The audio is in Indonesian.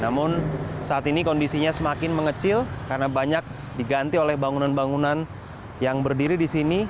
namun saat ini kondisinya semakin mengecil karena banyak diganti oleh bangunan bangunan yang berdiri di sini